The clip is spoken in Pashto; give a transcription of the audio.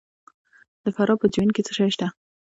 د فراه په جوین کې څه شی شته؟